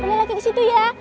boleh lagi ke situ ya